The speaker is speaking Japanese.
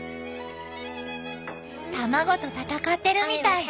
卵と戦ってるみたい。